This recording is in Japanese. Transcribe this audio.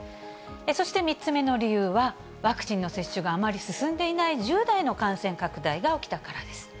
そして３つ目の理由は、ワクチンの接種があまり進んでいない１０代の感染拡大が起きたからです。